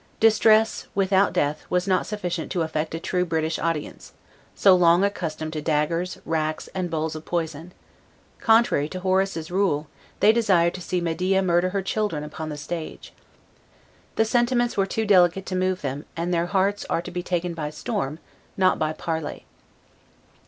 Distress, without death, was not sufficient to affect a true British audience, so long accustomed to daggers, racks, and bowls of poison: contrary to Horace's rule, they desire to see Medea murder her children upon the stage. The sentiments were too delicate to move them; and their hearts are to be taken by storm, not by parley.